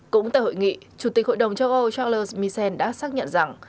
cũng tại hội nghị chủ tịch hội đồng châu âu charles misen đã xác nhận rằng